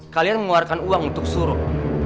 kalian mengeluarkan uang untuk suruh